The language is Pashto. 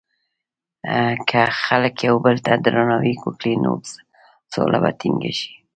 که خلک یو بل ته درناوی وکړي، نو سوله به ټینګه شي.